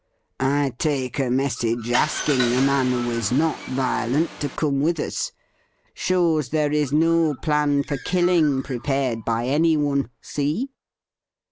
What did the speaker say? ' I take a message asking the man who is not violent to come with us. Shows there is no plan for killing prepared by anyone. See